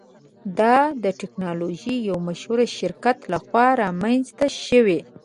دا د ټیکنالوژۍ یو مشهور شرکت لخوا رامینځته شوی.